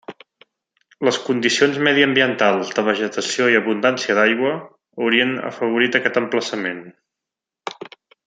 Les condicions mediambientals, de vegetació i abundància d'aigua, haurien afavorit aquest emplaçament.